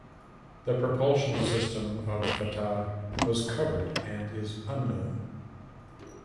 The propulsion system of "Fateh" was covered and is unknown.